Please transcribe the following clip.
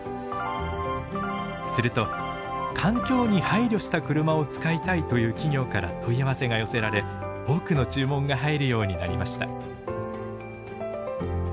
すると環境に配慮した車を使いたいという企業から問い合わせが寄せられ多くの注文が入るようになりました。